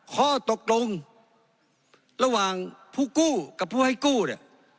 ข้อตกลงระหว่างผู้กู้กับผู้ให้กู้เนี่ย